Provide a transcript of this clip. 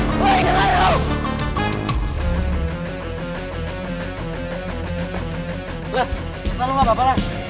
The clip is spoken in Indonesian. ulan kenapa lu ngapain